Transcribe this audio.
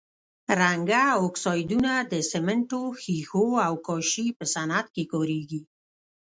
رنګه اکسایدونه د سمنټو، ښيښو او کاشي په صنعت کې کاریږي.